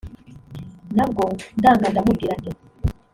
nabwo ndanga ndamubwira nti